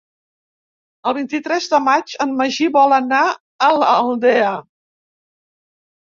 El vint-i-tres de maig en Magí vol anar a l'Aldea.